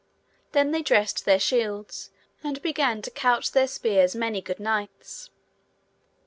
Then they dressed their shields, and began to couch their spears many good knights.